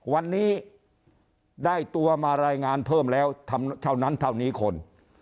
วันนี้ได้ตัวมารายงานเพิ่มแล้วเท่านั้นเท่านี้คน